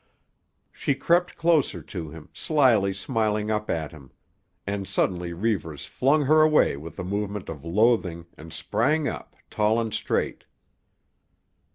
She crept closer to him, slyly smiling up at him; and suddenly Reivers flung her away with a movement of loathing and sprang up, tall and straight.